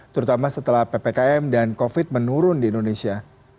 terutama setelah ppkm dan covid menurun di indonesia